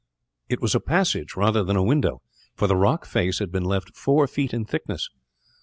It was a passage, rather than a window; for the rock face had been left four feet in thickness.